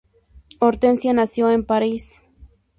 Hortensia nació en París.